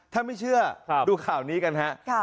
ถ้าไม่เชื่อดูข่าวนี้กันฮะ